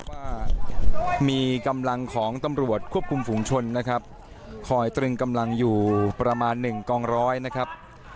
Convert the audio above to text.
ว่ามีกำลังของตำรวจควบคุมฝุงชนนะครับคอยตรึงกำลังอยู่ประมาณหนึ่งกองร้อยนะครับ